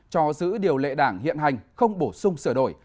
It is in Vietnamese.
cho giữ điều lệ đảng hiện hành không bổ sung sửa đổi